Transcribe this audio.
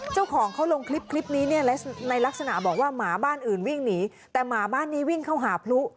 เจ้าของเขาลงคลิปคลิปนี้เนี่ยในลักษณะบอกว่าหมาบ้านอื่นวิ่งหนีแต่หมาบ้านนี้วิ่งเข้าหาพลุ